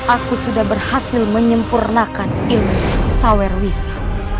aku sudah berhasil menyempurnakan ilmu sawir lisa